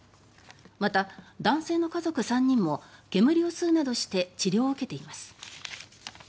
また、男性の家族３人も煙を吸うなどして治療を受けています。